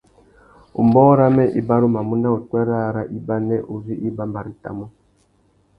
Umbōh râmê i barumanú nà upwê râā râ ibanê uzu i bambarétamú.